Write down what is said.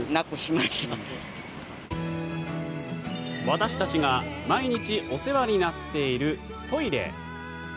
私たちが毎日お世話になっているトイレ。